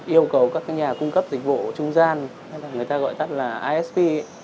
yêu cầu các nhà cung cấp dịch vụ trung gian người ta gọi tắt là isp